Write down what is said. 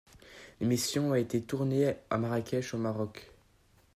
L'émission a été tournée à Marrakech au Maroc.